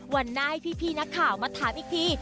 วันหน้าให้พี่นักข่าวมาถามอีกที